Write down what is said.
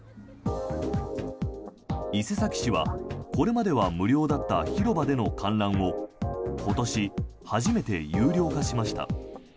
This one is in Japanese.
伊勢崎市はこれまでは無料だった広場での観覧を今年、初めて有料化しました。